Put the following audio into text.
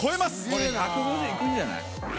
これ、１５０いくんじゃない？